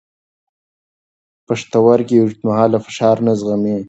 پښتورګي اوږدمهاله فشار نه زغمي.